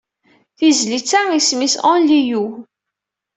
Tizlit-a isem-is Only You.